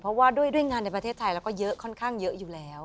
เพราะว่าด้วยงานในประเทศไทยแล้วก็เยอะค่อนข้างเยอะอยู่แล้ว